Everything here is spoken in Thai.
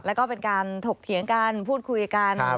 แล้วก็เป็นการถกเถียงกันพูดคุยกัน